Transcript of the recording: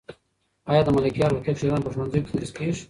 آیا د ملکیار هوتک شعرونه په ښوونځیو کې تدریس کېږي؟